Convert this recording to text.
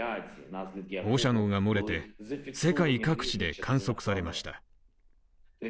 放射能が漏れて、世界各地で観測されました。